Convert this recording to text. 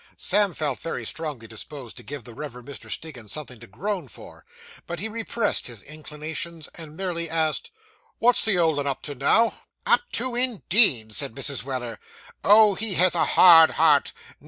Sam felt very strongly disposed to give the reverend Mr. Stiggins something to groan for, but he repressed his inclination, and merely asked, 'What's the old 'un up to now?' 'Up to, indeed!' said Mrs. Weller, 'Oh, he has a hard heart.